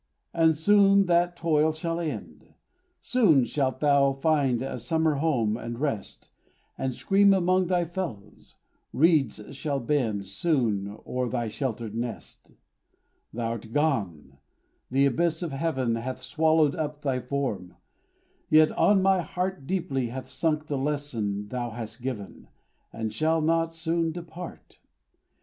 And soon that toil shall end; Soon shalt thou find a summer home, and rest, And scream among thy fellows; reeds shall bend, Soon, o'er thy sheltered nest. Thou'rt gone; the abyss of heaven Hath swallowed up thy form; yet, on my heart Deeply hath sunk the lesson thou hast given, And shall not soon depart.